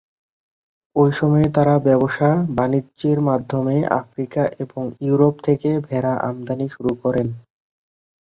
ঐ সময়ে তারা ব্যবসা বাণিজ্যের মাধ্যমে আফ্রিকা এবং ইউরোপ থেকে ভেড়া আমদানি শুরু করেন।